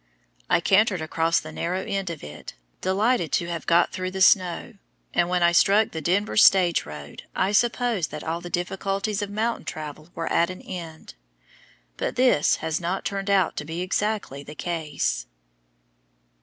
I cantered across the narrow end of it, delighted to have got through the snow; and when I struck the "Denver stage road" I supposed that all the difficulties of mountain travel were at an end, but this has not turned out to be exactly the case.